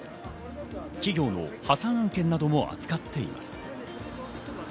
企業の破産案件なども扱っています。